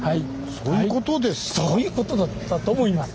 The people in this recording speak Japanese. そういう事だったと思います。